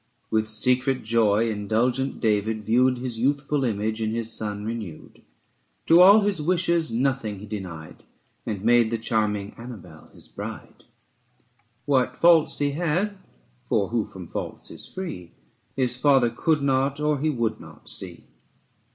30 With secret joy indulgent David viewed His youthful image in his son renewed; To all his wishes nothing he denied And made the charming Annabel his bride. What faults he had (for who from faults is free?) 35 His father could not or he would not see.